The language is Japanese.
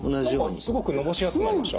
何かすごく伸ばしやすくなりました。